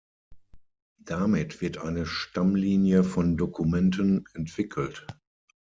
Damit wird eine Stammlinie von Dokumenten entwickelt.